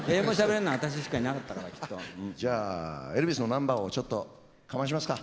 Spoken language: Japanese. じゃあエルビスのナンバーをちょっとかましますか。